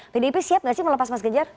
pdip siap gak sih melepas mas ganjar